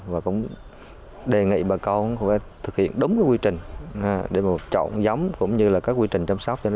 và cũng đề nghị bà con thực hiện đúng quy luật